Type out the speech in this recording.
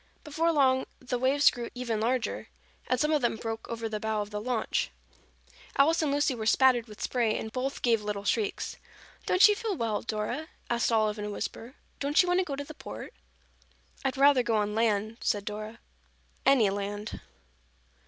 Before long the waves grew even larger and some of them broke over the bow of the launch. Alice and Lucy were spattered with spray and both gave little shrieks. "Don't you feel well, Dora?" asked Olive in a whisper. "Don't you want to go to the Port?" "I'd rather go on land," said Dora. "Any land."